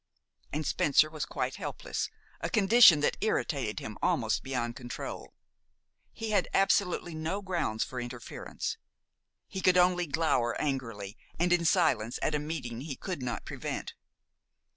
And Spencer was quite helpless, a condition that irritated him almost beyond control. He had absolutely no grounds for interference. He could only glower angrily and in silence at a meeting he could not prevent.